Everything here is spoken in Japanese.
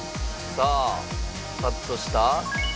さあカットした。